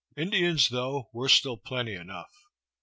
Indians, though, were still plenty enough.